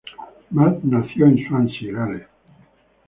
Matt nació en Swansea, Gales.